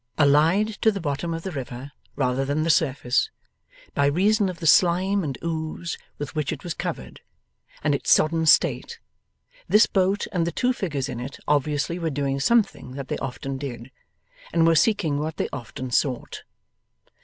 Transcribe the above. Allied to the bottom of the river rather than the surface, by reason of the slime and ooze with which it was covered, and its sodden state, this boat and the two figures in it obviously were doing something that they often did, and were seeking what they often sought.